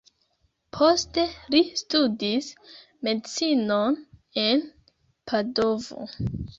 Poste li studis medicinon en Padovo.